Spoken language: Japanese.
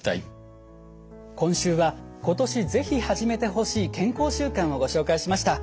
今週は今年是非始めてほしい健康習慣をご紹介しました。